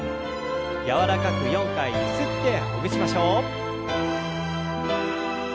柔らかく４回ゆすってほぐしましょう。